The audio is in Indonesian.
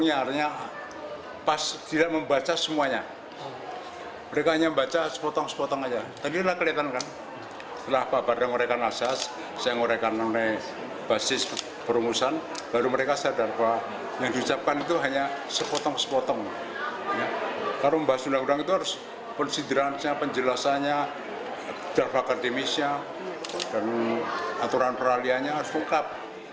aturan peraliannya harus ungkap